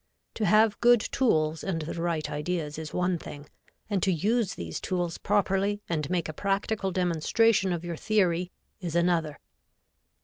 To have good tools and the right ideas is one thing, and to use these tools properly and make a practical demonstration of your theory is another.